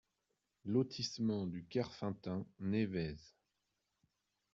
Lotissement de Kerfeunteun, Névez